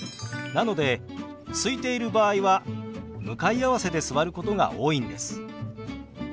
なのですいている場合は向かい合わせで座ることが多いんです。